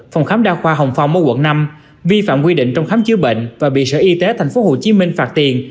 phòng khám đa khoa hồng phong ở quận năm vi phạm quy định trong khám chữa bệnh và bị sở y tế tp hcm phạt tiền